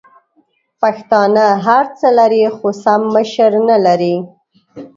پښتانه هرڅه لري خو سم مشر نلري!